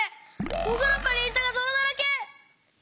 ぼくのプリントがどろだらけ！